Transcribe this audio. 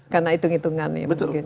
karena hitung hitungan ya betul